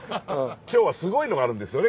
今日はすごいのがあるんですよね